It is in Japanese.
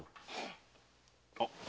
あっ！